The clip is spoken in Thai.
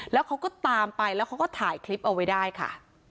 แล้วเขาก็ตามไปแล้วเขาก็ถ่ายคลิปเอาไว้ได้ค่ะ